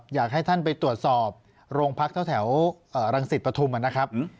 อยากให้ท่านไปตรวจสอบโรงพักเท่าแถวรังสิตปฐุมนะครับ